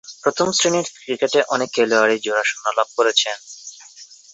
প্রথম-শ্রেণীর ক্রিকেটে অনেক খেলোয়াড়ই জোড়া শূন্য লাভ করেছেন।